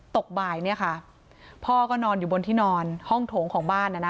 ตกบ่ายเนี่ยค่ะพ่อก็นอนอยู่บนที่นอนห้องโถงของบ้านนะนะ